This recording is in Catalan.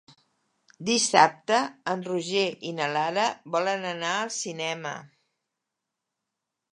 Dissabte en Roger i na Lara volen anar al cinema.